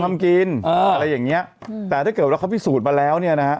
อะไรอย่างนี้แต่ถ้าเกิดแล้วเขาควรพิสูจน์มาแล้วเนี่ยน่ะ